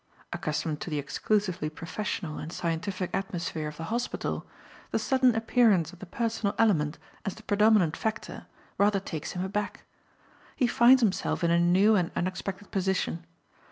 Accustomed to the exclusively professional and scientific atmosphere of the hospital, the sudden appearance of the personal element as the predominant factor rather takes him aback. He finds himself in a new and unexpected position.